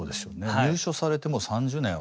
入所されてもう３０年は。